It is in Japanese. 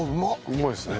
うまいですね。